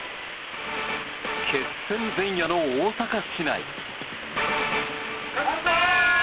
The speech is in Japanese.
決戦前夜の大阪市内。